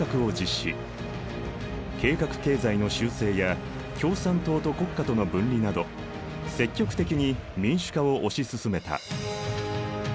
計画経済の修正や共産党と国家との分離など積極的に民主化を推し進めた。